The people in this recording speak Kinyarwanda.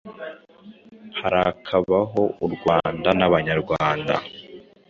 Harakabaho u Rwanda n’Abanyarwanda.